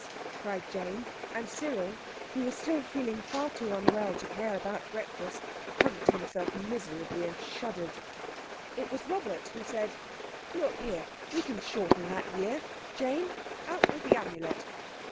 cried Jane, and Cyril, who was still feeling far too unwell to care about breakfast, hugged himself miserably and shuddered. It was Robert who said— "Look here, we can shorten that year. Jane, out with the Amulet!